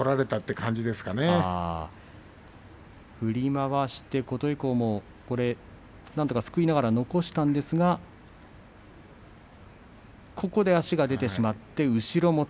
最後、振り回して琴恵光もなんとかすくいながら残したんですが足が出てしまいました。